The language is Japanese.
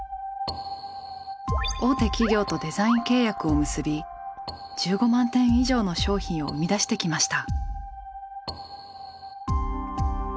大手企業とデザイン契約を結び１５万点以上の商品を生み出してきました。